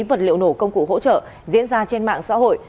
vật liệu nổ công cụ hỗ trợ diễn ra trên mạng xã hội